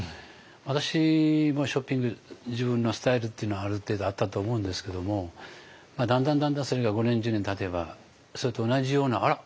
私もショッピング自分のスタイルっていうのはある程度あったと思うんですけどもだんだんだんだんそれが５年１０年たてばそれと同じようなあら？